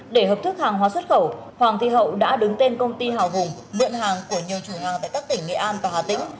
để hợp thức hàng hóa xuất khẩu hoàng thị hậu đã đứng tên công ty hào hùng mượn hàng của nhiều chủ hàng tại các tỉnh nghệ an và hà tĩnh